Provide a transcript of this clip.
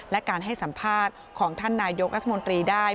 และการให้สัมภาษณ์ของท่านนายกรัฐมนตรีได้